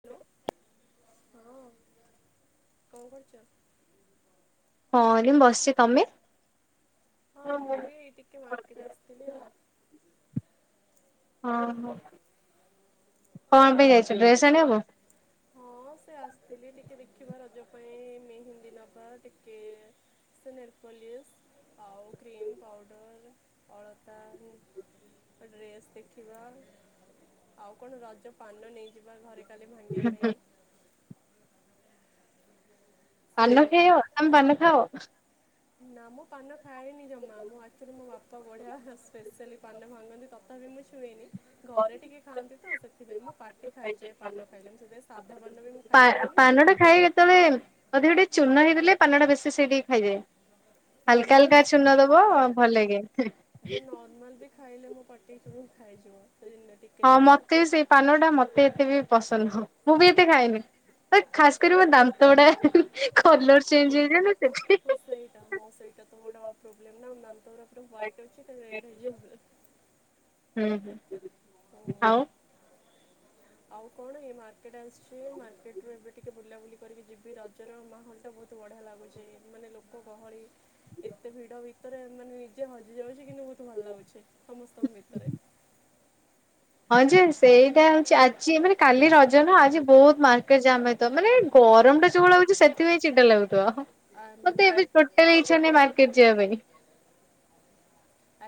Hello ହଁ କଣ କରୁଚ? ହଁ ଏଠି ବସିଛି। ତମେ? ହଁ ମୁଁ ବି ଏଇ ଟିକେ ମାର୍କେଟ ଆସିଥିଲି ଆଉ। ହଁହଁ। କଣ ପାଇଁ ଯାଇଛ ଡ୍ରେସ ଆଣିବାକୁ? ହଁ ସେ ଆସିଥିଲି ଟିକେ ଦେଖିବା ରଜ ପାଇଁ ମେହେନ୍ଦି ନବା ଟିକେ ନେଲପଲିସ ଆଉ କ୍ରିମ୍ ପାଉଡ଼ର ଅଳତା ଡ୍ରେସ ଦେଖିବା ଆଉ କଣ ରଜ ପାନ ନେଇଯିବା ଘରେ କାଲି ଭାଙ୍ଗିବା ପାଇଁ ପାନ ସେଇଆ ଖଇବ ତମେ ପାନ ଖାଅ? ନା ମୁଁ ପାନ ଖାଏନି ଜମା ମୁଁ ଆକ୍ଚୁଆଲି ମୋ ବାପା ବଢ଼ିଆ ସ୍ପେଶଆଲି ପାନ ଭାଙ୍ଗନ୍ତି ତ ତ ବି ମୁଁ ଛୁଏଁନି। ଘରେ ଟିକେ ଖାଆନ୍ତି ତ ସେଥିପାଇଁ ମୋ ପାଟି ଖାଇଯାଏ ପାନ ଖାଇଲେ ମୁଁ ସେଇଥିପାଇଁ ସାଧା ପାନ ବି ମୁଁ ପା ପାନ ଖାଇପାରେନି ଟା ଖାଏ କେତେବେଳେ ଅଧିକ ଟିକେ ଚୂନ ହେଇଥିଲେ ପାନଟା ବେଶୀ ସେଇଠିକି ଖାଇଯାଏ। ନା ହାଲକା ମୋର ହଲକା ଛୂନ ଦବ ଭଲ ଲାଗେ ମୁଁ ନର୍ମାଲ ବି ଖାଇଲେ ମୋ ପଟି ଚୂନ ଖାଇଯିବ ତ ଯେନେଟିକ ହଁ ମତେ ସେଇ ପାନ ଟା ମତେ ଏତେ ବି ପସନ୍ଦ ହ ମୁଁ ବି ଏତେ ଖାଇନି। ଖାସ କରି ମୋ ଦାନ୍ତ ଗୁଡା କଲର ଚେଞ୍ଜ ହେଇଯାଉନଥାଏ ହଁ ସେଇଟା ହ ସେଇଟା ତ ପ୍ରୋବ୍ଲେମ୍ ନା ମାମ୍ ହ୍ୱାଇଟ ଅଛି ରେ୍ ହେଇଯିବ। ହୁଁ ହୁଁ ହଁ ଆଉ ଆଉ କଣ ଏଇ ମାର୍କେଟ ଆସିଛି ମାର୍କେଟ ରୁ ଏବେ ଟିକେ ବୁଲାବୁଲି କରିକି ଯିବି ରଜର ମାହୋଲ ଟା ବହୁତ ବହୁତ ବଢ଼ିଆ ଲାଗୁଛି ମାନେ ଲୋକ ଗହଳି ଏତେ ଭିଡ ଭିତରେ ମାନେ ନିଜେ ହଜି ଯାଉଛି କିନ୍ତୁ ବୋହୁତ ଭଲ ଲାଗୁଛି ସମସ୍ତଙ୍କ ଭିତରେ ହଁ ଯେ ସେଇଟା ହଉଚି ଆଜି ମାନେ କାଲି ରଜ ନା ଆଜି ବୋହୁତ ମାର୍କେଟ ଜାମ୍ ହେଇଥବ ମାନେ ଗରମଟା ଯୋଉଭଳିଆ ହଉଚି ସେ ଥିପାଇଁ ଚିଡା ଲାଗୁଥୁବ ଅ ହଁ। ଆଣ ମାନେ ଆଣ। ଟୋଟାଲ୍ ଇଚ୍ଛା ନାଇଁ ମାର୍କେଟ ଯିବା ପାଇଁ।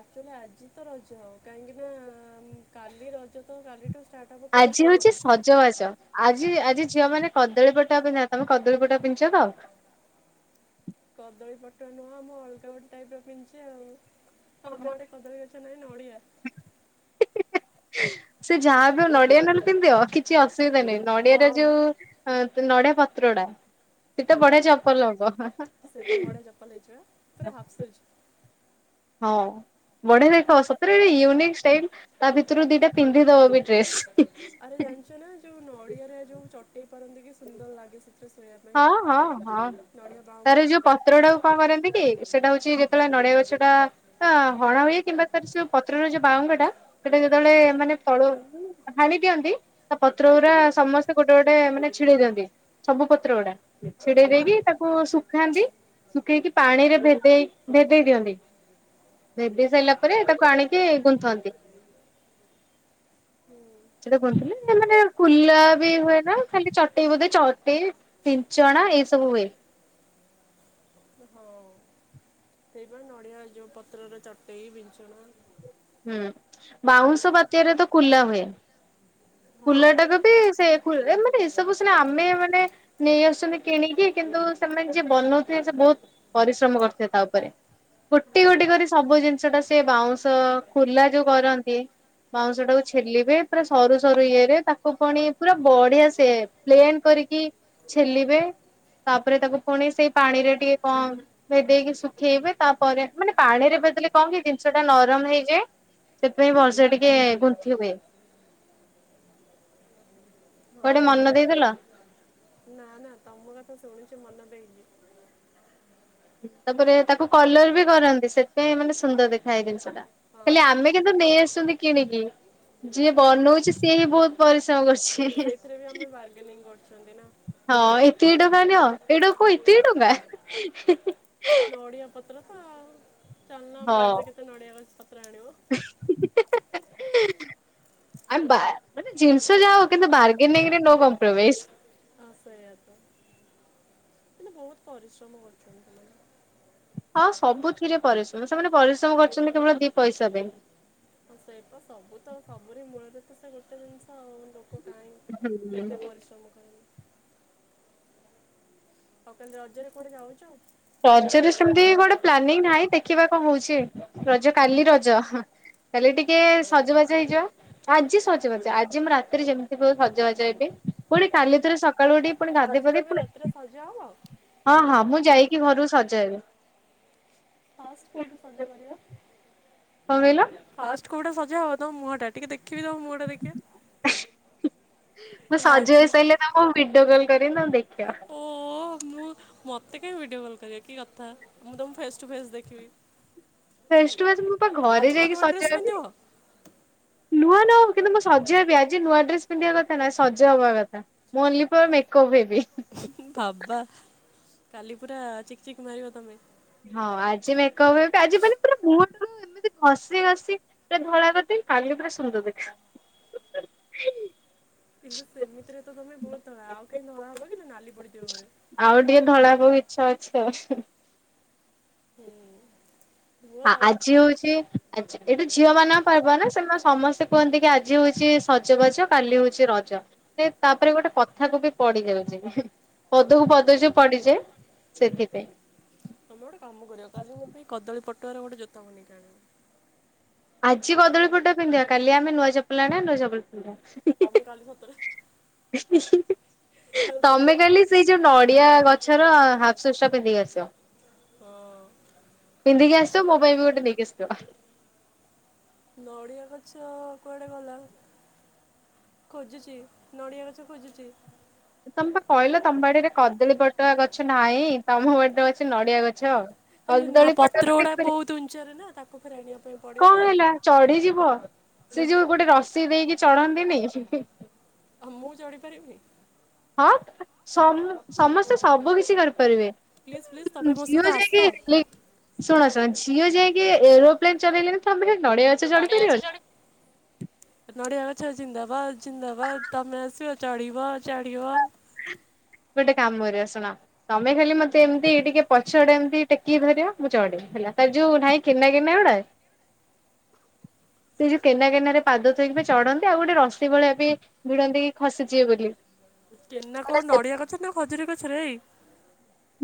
ଆକ୍ଟୁଏଲି ଆଜି ତ ରଜ କାଇଁ କି ନା ଉଁ କାଲି ରଜ ତ କାଲିଠୁ ଷ୍ଟା ଆଜି ହଉଚି ସଜବାଜ। ଆଜି ଆଜି ଝିଅମାନେ କଦଳୀ ପଟୁଆ ପିନ୍ଧ ତମେ କଦଳୀ ପଟୁଆ ପିନ୍ଧଚ ତ? କଦଳୀ ପଟୁଆ ନୁହଁ ମୁଁ ଅଲଗା ଗୋଟେ ଟାଇପର ପିନ୍ଧଚି ଆଉ। ଆମ ଆଡେ କଦଳୀ ଗଛ ନାଇଁ ନଡିଆ [unintelligible] ସେ ଯାହା ବି ହଉ ନଡିଆ ନହେଲେ ପିନ୍ଧ କିଛି ଅସୁବିଧା ନାଇଁ ହଁ ନଡିଆର ଯୋଉ ହଁ ନଡିଆ ପତ୍ରଟା ସେଟା ହଁ ବଢିଆ ଚପଲ ହବ ହାଁ ହାଁ ହାଁ ପଲେଇଚ ପୁରା ହାପ୍ ସୁଜ୍। ହଁ ବଢିଆ ଦେଖାଉଚି ସତରେ ୟୁନିକ୍ ଷ୍ଟାଇଲ। ତା ଭିତରୁ ଦିଟା ପିନ୍ଧି ଦବ ବି ଡ୍ରେସ୍ ହିଁ ଆରେ ଜାଣିଚ ନା ଯୋଉ ନଡିଆରେ ଯୋଉ ଚଟେଇ ପାରନ୍ତି କି ସୁନ୍ଦର ଲାଗେ ସେଥିରେ ଶୋଇଆ ହଁ ହଁ ହଁ ତାର ଯୋଉ ପତ୍ରଟାକୁ କଁ କରନ୍ତି କି? ସେଇଟା ହଉଚି ଯେତେବେଳେ ନଡିଆ ଗଛଟା ଆ ହଣା ହୁଏ କିମ୍ବା ତାର ଯୋଉ ପତ୍ରର ଯୋଉ ବାଉଙ୍ଗାଟା ସେଟା ଯେତେବେଳେ ମାନେ ଫଳ ଉଁ ହାଣି ଦିଅନ୍ତି ତା ପତ୍ର ଗୁରା ସମସ୍ତେ ଗୋଟେ ଗୋଟେ ମାନେ ଛିଡେଇ ଦିଅନ୍ତି ସବୁ ପ ତ୍ର ଗୁଡା ଛିଡେଇ ଦେଇକି ତାକୁ ଶୁଖାନ୍ତି। ଶୁଖେଇକି ପାଣିରେ ଭେଦେଇ ଭେଦେଇ ଦିଅନ୍ତି। ଭେଦଇ ସାଇଲା ପରେ ତାକୁ ଆଣିକି ଗୁନ୍ଥନ୍ତି। [inaudible] ସେଇଟା ଗୁନ୍ଥନ୍ତି ମାନେ କୁଲା ବି ହୁଏ ନା ଖାଲି ଚଟେଇ ବୋଧେ ଚଟେଇ ପିଞ୍ଚଣା ଏଇ ସବୁ ହୁଏ। ହୁଁ ହଁ। ସେଇଥିପାଇଁ ନଡିଆ ଯୋଉ ପତ୍ରରେ ଚଟେଇ ବିଞ୍ଚଣା ହୁଁ ବାଉଁଶ ପାତିଆରେ ତ କୁଲା ହୁଏ। ହଁ। କୁଲାଟାକୁ ହୁଁ। ବି ସେ ଖୁଏ ଏମିତି ଏସବୁ ସିନା ଆମେ ମାନେ ନେଇ ଆସୁଚନ୍ତି କିଣିକି କିନ୍ତୁ ସେମାନେ ଯିଏ ବନଉଥିବେ ସିଏ ବୋହୁତ ପରିଶ୍ରମ କରୁଥିବେ ତା ଉପରେ ଗୋଟି ଗୋଟି କରି ସବୁ ଜିନିଷଟା ସିଏ ବାଉଁଶ କୁଲା ଯୋଉ କରନ୍ତି ବାଉଁଶଟାକୁ ଛେଲିବେ ପୁରା ସରୁ ଜରୁ ଇଏରେ ତାକୁ ପଣି ପୁରା ବଢିଆ ସେ ପ୍ଲେନ୍ କରିକି ଛେଲିବେ। ତାପରେ ତାକୁ ପୁଣି ସେଇ ପାଣିରେ ଟିକେ କଣ? ଭେଦେଇକି ଶୁଖେଇବେ ତାପରେ ମାନେ ପାଣିରେ ଭେଦେଲେ କଁ କି ଜିନିଷଟା ନରମ ହେଇଯାଏ ସେଇଥିପାଇଁ ଭଲସେ ଟିକେ ଗୁନ୍ଥି ହୁଏ। କୁଆଡେ ମନ ଦେଇଦଲ ନା ନା ତମ କଥା ଶୁଣିୁଛି ମନ ଦେଇକି ତାପରେ ତାକୁ କଲର ବି କରନ୍ତି ସେଥିପାଇଁ ମାନେ ସୁନ୍ଦର ଦେଖା ଏଇ ଜିନିଷ ଟା ହେଲେ ହଁ। ଆମେ କିନ୍ତୁ ନେଇଆସୁଚନ୍ତି କିଣିକି ଯିଏ ବନଉଚି ସିଏ ହିଁ ବୋହୁତ ପରିଶ୍ରମ କରୁଛି [unintelligible] ସେଥିରେ ବି ଆମେ ବାର୍ଗେନିଂ କରୁଚନ୍ତି ନା। ହଁ ଏତିକି ଟଙ୍କା ନିଅ ଏଇଟାକୁ ଏତିକି ଟଙ୍କା ହି ହି। ନଡିଆ ପତ୍ର ତ ଆଉ ଚାଲୁନ ଆମ ବାଡିରେ କେତେ ନଡିଆ ଗଛ ପତ୍ର ଆଣିବ। [unintelligible] ଆ ମାନେ ଜିନିଷ ଯା ହଉ କିନ୍ତୁ ବାର୍ଗେନିଂରେ ନୋ କମ୍ପ୍ରମାଇଜ୍। ହଁ ସେଇଆ ତ। କିନ୍ତୁ ବହୁତ ପରିଶ୍ରମ କରୁଛନ୍ତି ମାନେ ହଁ ସବୁଥିରେ ପରିଶ୍ରମ ସେମାନେ ପରିଶ୍ରମ କରୁଛନ୍ତି କେବଳ ଦି ପଇସା ପାଇଁ। ହଁ ସେଇ ତ ସବୁ ତ ସବୁରେ ମୂଳରେ ତ ସେ ଗୋଟେ ଜିନିଷ ଆଉ ଲୋକ ଟାହି କେତେ ହୁଁ। ପରିଶ୍ରମ କର ତମେ ରଜ ରେ କୁଆଡେ ଯାଉଛ ରଜରେ ସେମିତି ଗୋଟେ ପ୍ଲାନିଂ ନାହିଁ ଦେଖିବା କଣ ହଉଛି ରଜ କାଲି ରଜ। ଖାଲି ଟିକେ ସଜବାଜ ହେଇଯିବା। ଆଜି ସଜବାଜ ଆଜି ମୁଁ ରାତିରେ ଯେମିତି ବି ହଉ ସଜବାଜ ହେବି ପୁଣି କାଲି ଥରେ ସକାଳୁ ଉଠି ପୁଣି ଗାଧେଇ ଆଜି ପାଧେଇ ତମେ ପୁଣି ରାତିରେ ସଜା ହବ ହଁ ହଁ ମୁଁ ଯାଇକି ଘରକୁ ସଜ ହେବି ଫାଷ୍ଟ କୋଉଠି ସଜ କରିବା କଣ କହିଲ ଫାଷ୍ଟ କୋଉଟା ସଜା ହବ ତ ମୁଁହ ଟା ଟିକେ ଦେଖିବି ତମ ମୁହଁ ଟା ଟିକେ ମୁଁ ସଜ ଲାଜ ହୋଇଇସାରିଲେ ତମଙ୍କୁ ଭିଡିଓ କଲ୍ କରିବି ତମେ ଦେଖିବ ଓ ମୁଁ ମୋତେ କାହିଁ ଭିଡ଼ିଓ କଲ୍ କରିବେ କି କଥା ମୁଁ ତମକୁ ଫେସ୍ ଟୁ ଫେସ୍ ଦେଖିବି। ଫେସ୍ ଟୁ ଫେସ୍ ମୁ ପା ଘରେ ଆଜି କଣ ଯାଇକି ନୂଆ ସଜ ଡ୍ରେସ୍ ହେବି ପିନ୍ଧିବ ନୂଆ ନ ହଉ କିନ୍ତ ମୁଁ ସଜ ହେବି ଆଜି ନୂଆ ଡ୍ରେସ ପିନ୍ଧିବା କଥା ନାହିଁ ସଜା ହବା କଥା ମୁଁ ଅନ୍ଲି ଫର ମେକଅପ ହେବି ବାବା କାଲି ପୁରା ଚିକ୍ ଚିକ୍ ମାରିବ ତୁମେ ହଁ ଆଜି ମେକଅପ୍ ଆଜି କାଲି ପୁରା ଏମିତି ଘଷି ଘସି ପୁରା ଧଳା କରିଦେଇ କାଲି ପୁରା ସୁନ୍ଦର ଦେଖ [unintelligible] ନ୍ତ ସେମିତିରେ ତମେ ବହୁତ ଧଳା ଆଉ କାହିଁ ଧଳା ହବ କି ନାଲି ପଡିଯିବ ଘରେ ଆଉ ଟିକେ ଧଳା ହବାକୁ ଇଚ୍ଛା ଅଛି ଆଉ ହଁ ଆ ଆଜି ହଉଛି ଆଚ୍ଛା ଏଇଟା ଝିଅ ମାନଙ୍କ ପର୍ବ ନା ସେମାନେ ସମସ୍ତେ କୁହନ୍ତି କି ଆଜି ହଉଛି ସଜବାଜ କାଲି ହଉଛି ରଜ। ସେ ତାପରେ ଗୋଟେ କଥାକୁ ବି ପଡିି ଯାଉଛି ପଦକୁ ପଦ ଯଉ ପଡିଯାଏ ସେଥିପାଇଁ ତମେ ଗୋଟେ କାମ କରିବ କାଲି ମୋ ପାଇଁ କଦଳ ପଟୁଆର ଗୋଟେ ଜୋତା ବନେଇିକି ଆଣିବ ଆଜି କଦଳୀ ଫୋଟ ପିନ୍ଧିବା କାଲି ଆମେ ନୂଆ ଚପଲ ଆଣିବା ନୂଆ ଚପଲ ପିନ୍ଧିବା। ହଉ ମୁଁ କାଲି ସତରେ [inaudible] କାଲି ତମେ ସତରେ କାଲି ସେଇ ଯୋଉ ନଡିଆ ଗଛର ହାଫ ସୁସ୍ ଟା ପିନ୍ଧିକି ଆସିବ ହଁ। ପିନ୍ଧିକି ଆସିବ ମୋ ପାଇଁ ବି ଗୋଟେ ନେଇିକି ଆସିଥିବ। ନଡ଼ିଆ ଗଛ କୁଆଡ଼େ ଗଲା? ଖୋଜୁଚି, ନଡ଼ିଆ ଗଛ ଖୋଜୁଚି। ତମେ ପା କହିଲ ତମ ବାଡିରେ କଦଳୀ ପଟୁଆ ଗଛ ନାହିଁ ତମ ବାଡିରେ ଅଛି ନଡିଆ ଗଛ ଆଉ। ଆରେ ନା ପତ୍ର ଗୁଡ଼ା ବହୁତ ଉଞ୍ଚରେ ନା ତାକୁ ଫେରେ ଆଣିବା ପାଇଁ ପଡ଼ିବ କଣ ତ। ହେଲା ଚଢିଯିବ ସେ ଯୋଉ ଗୋଟେ ରସି ଦେଇକି ଚଢନ୍ତିନି। ହଁ ମୁଁ ଚଢ଼ିପାରିବି। ହଁ ସମସ୍ତେ ସବୁ କିଛି କରିପାରିବେ। ପ୍ଲିଜ୍ ପ୍ଲିଜ୍ ତମେ ମୋ ସହିତ ଝିଅ ଆସ ଯାଇକି ଶୁଣ ଶୁଣ ଝିଅ ଯାଇକି ଏରୋପ୍ଲେନ ଚଲେଇଲେଣି। [unintelligible] ଆ ପାରିବନି। ନଡିଆ ଅଛ ଜିନ୍ଦାବାଦ ଜିନ୍ଦାବାଦ ତମେ ଆସିବ। ଚଢ଼ିବ ଚଢ଼ିବ। ଗୋଟେ କାମରେ ଆସୁନ। ତମେ ଖାଲି ମତେ ଏମତି ଟିକେ ପଛଆଡେ ଏମିତି ଟେକିକି ଧରିବ ମୁଁ ଚଢ଼ିବି ହେଲା ତାର ଯୋଉ ନାହିଁ। କେନା କେନା ଗୁଡା? ସେଇ ଯୋଉ କେନା କେନାରେ ପାଦଥୋଇକି ଚଢନ୍ତି, ଆଉ ଗୋଟେ ରସିି ଭଳିଆ ବି ଭିଡନ୍ତି କି ଖସିଯିବେ ବୋଲି। କେନା କୋଉ ନଡିଆ ଗଛ ନା ଖଜୁରୀ ଗଛରେ ଏଇ।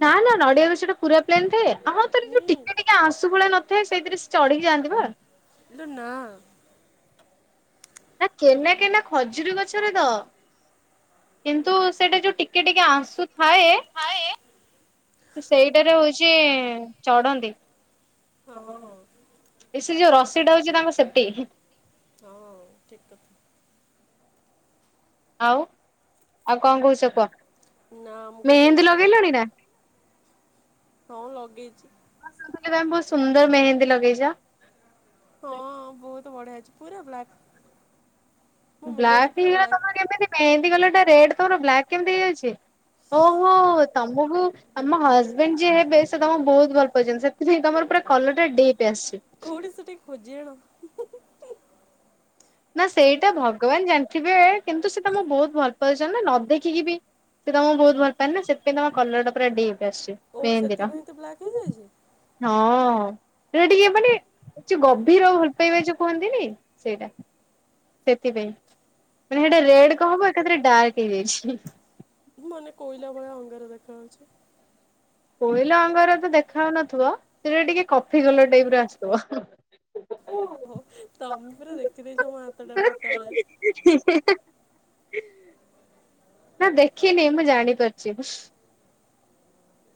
ନା ନା ନଡିଆ ଗଛ ଟା ପୁରା ପ୍ଲେନ୍ ଥାଏ? ହଁ ହୁଁ ଟିକେ ଟିକେ। ଆଂଶୁ ଭଳିଆ ନଥାଏ ସେଇଥିରେ ସେ ଚଢିକି ଯାଆନ୍ତି ବା। [unintelligible] ନା କେନା କେନା ଖଜୁରୀ ଗଛରେ ତ, କିନ୍ତୁ ସେଟା ଯୋଉ ଟିକେ ଟିକେ ଆ। ଆଁଶୁ ଥାଏ। ସେଇଟାରେ ହଉଚି ଚଢନ୍ତି। ହଁ ଏ ସେ ଯୋଉ ରସି ଟା ହଉଚି ତାଙ୍କ ସେପ୍ଟି। ହଁ ଠିକ୍ କଥା। ଆଉ, ଆଉ କଣ କହୁଚ କୁହ? ନା ମୁଁ କହିଲି ମେହେନ୍ଦୀ ଲଗେଇଲଣି ନା? ହଁ ଲଗେଇଚି। ବହୁତ୍ ସୁନ୍ଦର ମେହେନ୍ଦୀ ଲଗେଇଚ। ହଁ ବହୁତୁ ବଢିଆ ଅଛି ପୁରା ବ୍ଲାକ୍। ମୋ ମେହେନ୍ଦି ବ୍ଲାକ୍ ପୁରା ହେଇଗଲା ବ୍ଲାକ୍ ତମର କେମିତି ମେହେନ୍ଦୀ କଲରଟା ରେଡ୍ ତମର ବ୍ଲାକ୍ କେମିତି ହେଇଯାଇଚି? ଓହୋ ତମୁକୁ। ତମ ହଜବେଣ୍ଡ ଯିଏ ହେବେ ସେ ତମକୁ ବହୁତ ଭଲ ପାଉଚନ୍ତି। ସେଥିପାଇଁ ତମର ପୁରା କଲରଟା ଡିପ୍ ଆସିଚି। କେଉଠି ସେଏ ଟିକେ ଖୋଜିଆଣ। ନା ସେଇଟା ଭଗବାନ ଜାଣିଥିବେ। କିନ୍ତୁ ସେ ତମକୁ ବହୁତ ଭଲ ପାଉଚନ୍ତି ନା ନ ଦେଖିକି ବି। ସେ ତମୁକୁ ବହୁତ ଭଲପାଆନ୍ତି ନା ସେଥିପାଇଁ ତମ କଲର ଟା ପୁରା ଡିପ୍ ଆସିଚି। ଓ ସେଥିପାଇଁ ତ ବ୍ଲାକ୍ ହେଇଯାଇଚି। ହଁ ସେଟା ଟିକେ ମାନେ। ଯୋଉ ଗଭୀର ଭଲ ପାଇବା ଯୋଉ କୁହନ୍ତିନି ସେଇଟା। ସେଥିପାଇଁ। ମାନେ ସେଟା ରେଡ କଣ ହବ ଏକାଥରେ ଡାର୍କ ହେଇଯାଇଚି। ମୁଁ ମାନେ କୋଇଲା ଭଳିଆ ଅଙ୍ଗାର ଦେଖାଯାଉଚି। କୋଇଲା ଅଙ୍ଗାରତ ଦେଖାଯାଉନଥିବ। ସେଟା ଟିକେ କଫି କଲର ଟାଇପ୍ ର ଆସୁଥିବ। [unintelligible] ହଉ, ତମେ ପୁରା ଦେଖିଦେଇଚ ମୋ ହାତଟାକୁ କେତବଳେ। [unintelligible] ନା ଦେଖିନି ମୁଁ ଜାଣି ପାରୁଛି।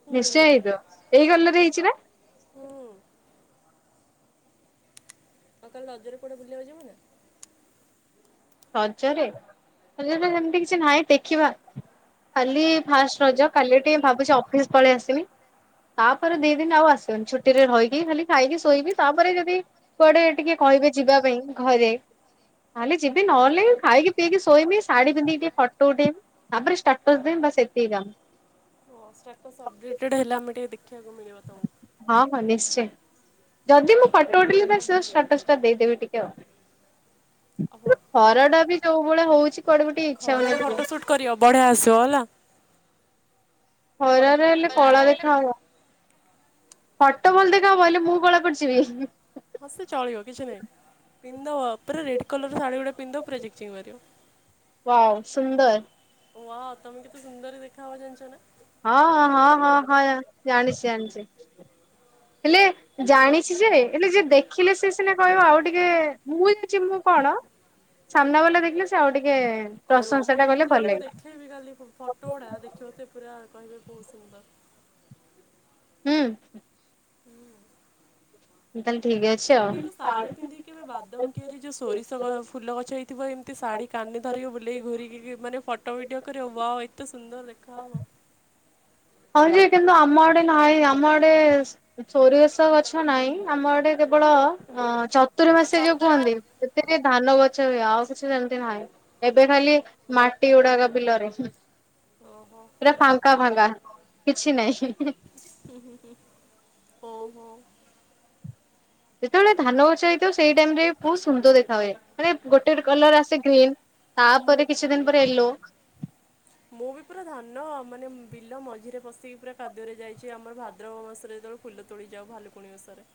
ହୁଁ ନିଶ୍ଚୟ ହେଇଥିବ। ଏଇ କଲର ହେଇଛି ନା? ହୁଁ ଆଉ ଆଉ ତା ହେଲେ ରଜରେ କୁଆଡେ ବୁଲିବାକୁ ଯିବୁନା? ରଜରେ। ରଜରେ ସେମିତି କିଛି ନାହିଁ ଦେଖିବା। କାଲି ଫାଷ୍ଟ ରଜ କାଲି ଟିକେ ଭାବୁଛି ଅଫିସି ପଳି ଆସିବି। ତାପରେ ଦି ଦିନି ଆଉ ଆସିବିନି ଛୁଟିରେ ରହିକି ଖାଲି ଖାଇକି ଶୋଇବି ତାପରେ ଯଦି କୁଆଡେ ଟିକେ କହିବେ ଯିବା ପାଇଁ ଘରେ। ତାହଲେ ଯିବି। ନହେଲେ ଖାଇକି ପିଇକି ଶୋଇମି ଶାଢୀ ପନ୍ଧିକିି ଟିକେ ଫଟୋ ଉଠେଇବି। ତା ପରେ ଷ୍ଟାଟସ ଦେବି ବାସ ଏତିକି କାମ। ଷ୍ଟାଟସ ଅପଡେଟଡ଼ ହେଲା ଆମେ ଟିକେ ଦେଖିବାକୁ ମିଳିବ ତମକୁ। ହଁ ହଁ ନିଶ୍ଚୟ। ଯଦି ମୁଁ ଫୋଟୋ ଉଠେଇଲି ସେ ଷ୍ଟାଟସ୍ ଟା ଦେଇଦବି ଟିକେ ଆଉ। କିନ୍ତୁ ଅଭଟ। ଖରା ଟା ବି ଯୋଉ ଭଳିଆ ହଉଛି କୁଆଡେ ବି ଟିକେ ଇଚ୍ଛା ହଉନି ଖରାରେ ଫଟୋ ଯିବାକୁ। ସୁଟ୍ କରିବ ବଢ଼ିଆ ଆସିବ ହେଲା। ଖରାରେ ହେଲେ କଳା ଦେଖାହବ। ଫଟୋ ଭଲ ଦେଖାହବ ହେଲେ ମୁଁ କଳା ପଡିଯିବି। ହଁ ସେ ଚଳିବ କିଛି ନାହିଁ। ପିନ୍ଧ ପୁରା ରେଡ୍ କଲର ର ଶାଢ଼ୀ ଗଟେ ପିନ୍ଧ ପୁରା ଚିକିଚିକି ମାରିବ। ୱାଉ ସୁନ୍ଦର। ୱାଉ ତମେ କେତେ ସୁନ୍ଦର ଦେଖା ହୁଅ ଜାଣିଛ ନା। ହଁ ହଁ ହଁ ହଁ ଜାଣିଛି ଜାଣିଛି ହେଲେ ଜାଣିଛି ଯେ ହେଲେ ଯିଏ ଦେଖିଲେ ସେ ସିନା କହିବ ଆଉ ଟିକେ। ମୁଁ ଜାଣିଛି ମୁଁ କଣ ସାମ୍ନାବାଲା ଦେଖିଲେ ସେ ଆଉ ଟିକେ ପ୍ରଶଂସା ଟା କଲେ ଭଲ ଲାଗିବ। ଦେ କାଲି ଫୋଟୋ ଗୁଡା ଦେଖିବ ସେ ପୁରା କହିବେ ବହୁ ସୁନ୍ଦର। ହୁଁ। ତାହେଲେ ଠିକି ଅଛି ଆଉ। କିନ୍ତୁ ଶାଢ଼ୀ ପିନ୍ଧିକି କେବେ ବାଦମ କିଆରି ଯୋଉ ସୋରିଷ ଗ ଫୁଲ ଗଛ ହେଇଥିବ ଏମତି ଶାଢ଼ୀ କାନି ଧରିକି ବୁଲେଇକି ଘୂରି କି ମାନେ ଫୋଟୋ ଫଟୋ ଭଡିଓ କରିବ ୱା ଏତେ ସୁନ୍ଦର ଦେଖା ହବ। ହଁ ଯେ କିନ୍ତୁ ଆମ ଆଡ଼େ ନାହିଁ ଆମ ଆଡ଼େ ସୋରିଷ ଗଛ ନାହିଁ। ଆମ ଆଡ଼େ କେବଳ ଅ ଚତୁରମାସେ ଯୋଉ କୁହନ୍ତି। ସେତିକି ଧାନ ଗଛ ହୁଏ ଆଉ କିଛି ସେମିତି ନାହିଁ। ଏବେ ଖାଲି ମାଟି ଗୁଡ଼ାକ ବିଲରେ। ଓହୋ ପୁରା ଫାଙ୍କା ଫାଙ୍କା। କିଛି ନାଇଁ। ହୁଁ ହୁଁ ହୁଁ। ଓହୋଃ। ଯେତେବେଳେ ଧାନ ଗଛ ହେଇଥିବ ସେଇ ଟାଇମି ରେ ବହୁତୁ ସୁନ୍ଦର ଦେଖା ହୁଏ। ମାନେ ଗୋଟେ କଲର ଆସେ। ଗ୍ରୀନ୍ ତାପରେ କିଛି ଦିନ ପରେ ୟେଲୋ। ମୁଁ ବି ପୁରା ଧାନ ମାନେ ବିଲ ମଝିରେ ପଶିକି ପୁରା କାଦୁଅରେ ଯାଇଛି ଆମର ଭାଦ୍ରବ ମାସରେ ଯେତେବେଳ କୁ। ଫୁଲ ତୋଳି ଯାଉ ଭାଲୁକୁଣୀ ଓଷାରେ।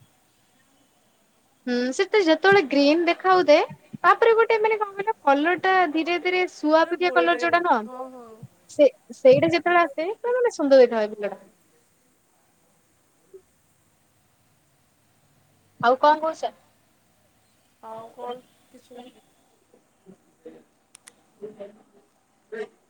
ହୁଁ ସେତେ ଯେତେବେଳେ ଗ୍ରୀନ ଦେଖା ହେଉଥାଏ। ତାପରେ ଗୋଟେ ମାନେ କ କହିଲ କଲର ଟା ଧୀରେ ଧୀରେ ପୁରା ଶୁଆପକ୍ଷୀ କଲର ଗୋଲ୍ଡେନ୍ ଯୋଉଟା ନୁହଁ। ହଁ ହଁ। ସେ ସେଇଟା ଯେତେବେଳେ ଆସେ ପୁରା ମାନେ ସୁନ୍ଦର ଦେଖାଥାଏ ହଁ ବିଲଟା। ଆଉ କଣ କହୁଛ? ଆଉ କଣ କିଛି ନୁହେଁ। [inaudible]